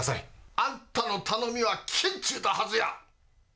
あんたの頼みは聞けんちゅうたはずや。